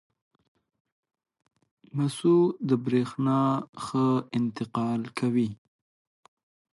مسو د برېښنا ښه انتقال کوي.